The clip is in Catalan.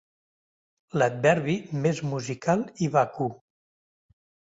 L'adverbi més musical i vacu.